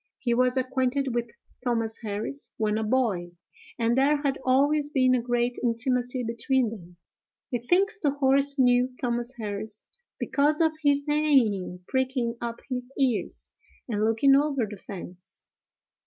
He was acquainted with Thomas Harris when a boy, and there had always been a great intimacy between them. He thinks the horse knew Thomas Harris, because of his neighing, pricking up his ears, and looking over the fence.